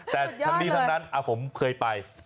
แต่ทั้งนี้ทั้งนั้นผมเคยไป